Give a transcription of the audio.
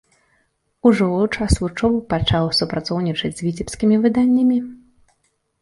Ужо ў час вучобы пачаў супрацоўнічаць з віцебскімі выданнямі.